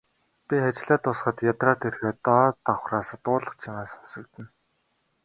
Би ажлаа дуусгаад ядраад ирэхэд доод давхраас дуулах чимээ сонсогдоно.